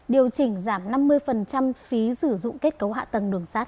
điều chỉnh giảm năm mươi phí sử dụng kết cấu hạ tầng đường sát